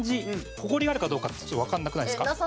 ホコリがあるかどうかってわかんなくないですか？